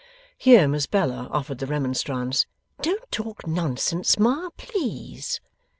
Here Miss Bella offered the remonstrance: 'Don't talk nonsense, ma, please.